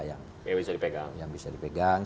yang bisa dipegang